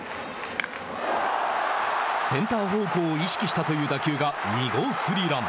センター方向を意識したという打球が２号スリーラン。